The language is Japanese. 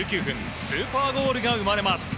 スーパーゴールが生まれます。